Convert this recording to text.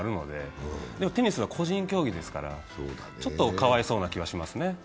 でも、テニスは個人競技ですから、ちょっとかわいそうな気がしますね。